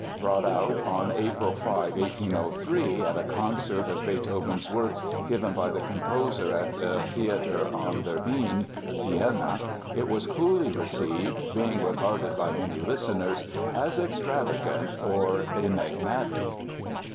Brought out on April 5, 1803, at a concert of Beethoven's works given by the composer at the Theater an der Wien, Vienna, it was coolly received, being regarded by many listeners as extravagant or enigmatic.